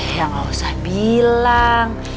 ya gausah bilang